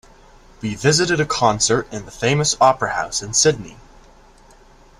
We visited a concert in the famous opera house in Sydney.